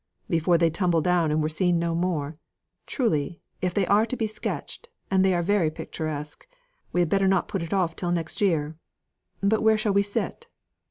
"Before they tumbled down and were no more seen. Truly, if they are to be sketched and they are very picturesque we had better not put it off till next year. But where shall we sit?"